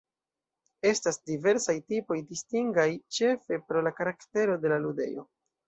Estas diversaj tipoj distingaj ĉefe pro la karaktero de la ludejo.